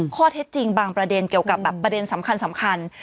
เพื่อให้จริงบางประเด็นเกี่ยวกับประเด็นสำคัญ